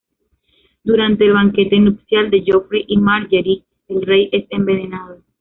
Durante el banquete nupcial de Joffrey y Margaery, el rey es envenenado.